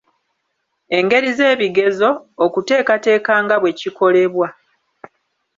Engeri z'ebigezo, okuteekateeka nga bwe kikolebwa.